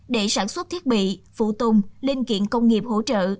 để sản xuất thiết bị phụ tùng linh kiện công nghiệp hỗ trợ